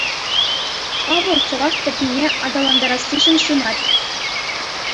Павӑл чӑваш чӗлхине аталантарассишӗн ҫунать.